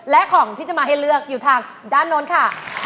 และของที่จะมาให้เลือกอยู่ทางด้านโน้นค่ะ